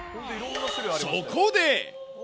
そこで！